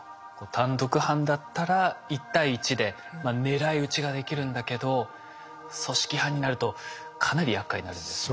単独犯だったら１対１で狙い撃ちができるんだけど組織犯になるとかなりやっかいになるんですね。